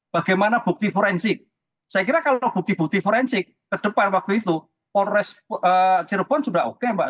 bagaimana bukti forensik saya kira kalau bukti bukti forensik ke depan waktu itu polres cirebon sudah oke mbak